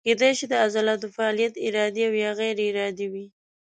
کیدای شي د عضلاتو فعالیت ارادي او یا غیر ارادي وي.